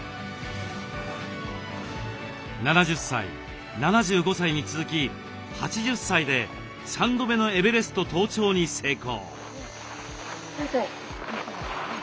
７０歳７５歳に続き８０歳で３度目のエベレスト登頂に成功。